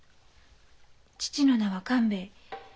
父の名は勘兵衛。